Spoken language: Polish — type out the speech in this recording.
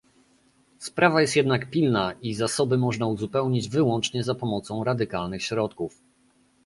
Sprawa jest jednak pilna i zasoby można uzupełnić wyłącznie za pomocą radykalnych środków